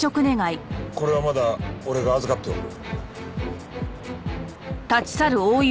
これはまだ俺が預かっておく。